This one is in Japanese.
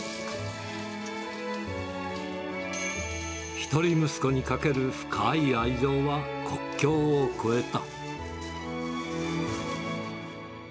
一人息子にかける深い愛情は、国境を越えた。